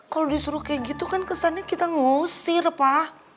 kalau disuruh kayak gitu kan kesannya kita ngusir pak